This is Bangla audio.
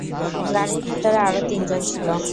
গাড়ির ভেতরে আরও তিনজন ছিল।